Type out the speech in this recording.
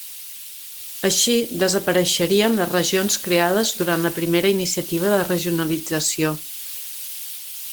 Així desapareixerien les regions creades durant la primera iniciativa de regionalització.